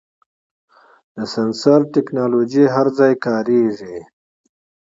د سنسر ټکنالوژي هر ځای کارېږي.